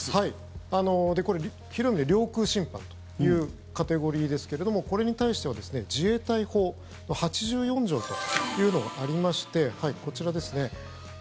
これ、広い意味で領空侵犯というカテゴリーですけれどもこれに対しては自衛隊法の８４条というのがありましてこちらですね。